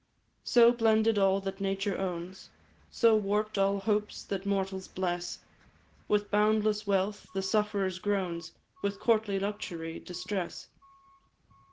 "So, blended all that nature owns, So, warp'd all hopes that mortals bless With boundless wealth, the sufferer's groans; With courtly luxury, distress.